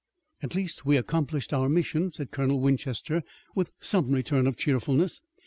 "At least we accomplished our mission," said Colonel Winchester with some return of cheerfulness.